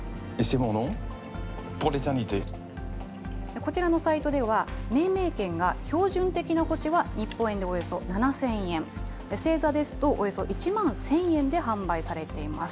こちらのサイトでは、命名権が標準的な星は日本円でおよそ７０００円、星座ですとおよそ１万１０００円で販売されています。